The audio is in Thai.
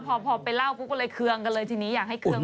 อ๋อก็เลยแบบว่าพอไปเล่าก็เลยเคืองกันเลยทีนี้อยากให้เคืองกัน